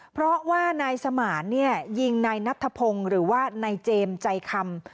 เพราะว่านายสมานเนี่ยยิงนายนัทธพงศ์หรือว่านายเจมส์ใจคำ